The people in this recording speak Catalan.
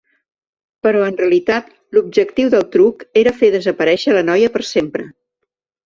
Però en realitat l’objectiu del truc era fer desaparèixer la noia per sempre.